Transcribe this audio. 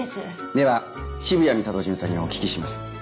では渋谷美里巡査にお聞きします。